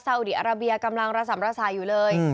อุดีอาราเบียกำลังระสำระสายอยู่เลย